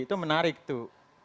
itu menarik tuh